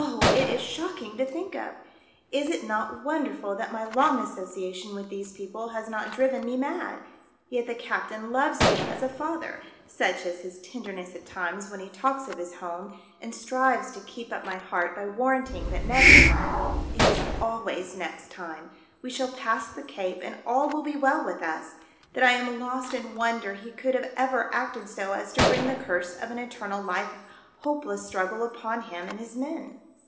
Oh ! it is shocking to think of. Is It not wonderful that my long association with these people has not driven me mad .■* Yet the captain loves me as a father ; such is his tenderness at times when he talks of his home and strives to keep up my heart by warranting that next time — it is always next time — we shall pass the Cape and all will be well with us, that I am lost in wonder he could have ever so acted as to bring the curse of an eternal life of hopeless struggle upon him and his men."